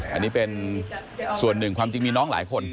อันนี้เป็นส่วนหนึ่งความจริงมีน้องหลายคน